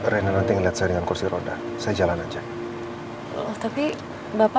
biarin saya coba jalan sendiri ya